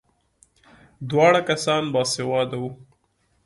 دواړه کسان باسواده وو.